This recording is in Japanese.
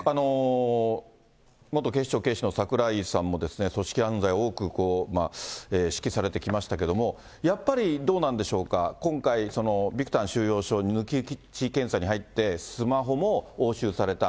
元警視庁警視の櫻井さんも、組織犯罪、多く指揮されてきましたけども、やっぱりどうなんでしょうか、今回、そのビクタン収容所、抜き打ち検査に入って、スマホも押収された。